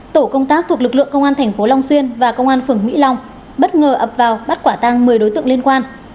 tổ công tác thuộc lực lượng công an thành phố long xuyên và công an phường mỹ long bất ngờ ập vào bắt quả tăng một mươi đối tượng liên quan